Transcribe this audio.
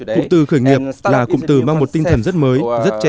cụm từ khởi nghiệp là cụm từ mang một tinh thần rất mới rất trẻ